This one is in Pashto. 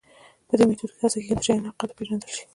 په دې میتود کې هڅه کېږي د شیانو حقیقت وپېژندل شي.